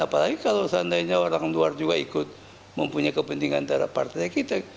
apalagi kalau seandainya orang luar juga ikut mempunyai kepentingan terhadap partai kita